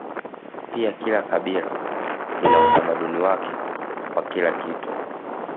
Pia kila kabila lina utamaduni wake kwa kila kitu